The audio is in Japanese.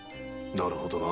なるほどな。